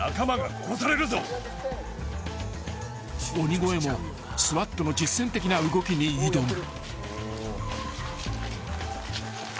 ［鬼越もＳＷＡＴの実践的な動きに挑む］